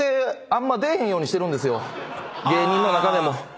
芸人の中でも。